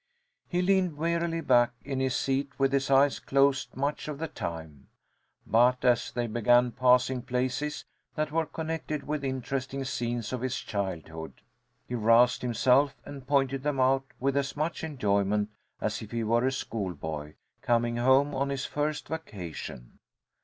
He leaned wearily back in his seat with his eyes closed much of the time. But as they began passing places that were connected with interesting scenes of his childhood, he roused himself, and pointed them out with as much enjoyment as if he were a schoolboy, coming home on his first vacation.